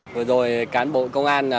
vừa rồi cán bộ công an